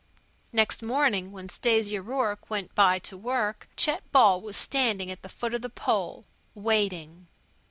Next morning, when Stasia Rourke went by to work, Chet Ball was standing at the foot of the pole, waiting.